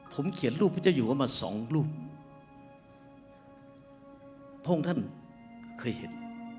ผมเขียนรูปพระเจ้าอยู่ก็มาสองรูปพระองค์ท่านเคยเห็น